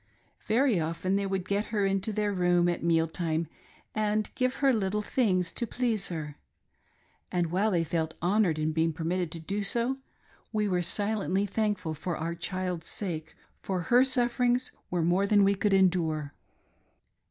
Very often they would get her into their room at meal time and give her little things to please her ; and while they felt honored in being permitted to do so, we were silently thankful for our child's sake, for her, sufferings were more than we could endure.